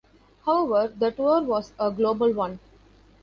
However, the tour was a global one.